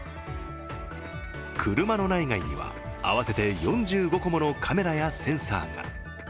車の内外には合わせて４５個ものカメラやセンサーが。